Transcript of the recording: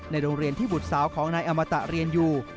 โรงเรียนที่บุตรสาวของนายอมตะเรียนอยู่